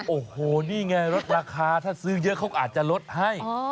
โอ้โหนี่ไงลดราคาถ้าซื้อเยอะเขาอาจจะลดให้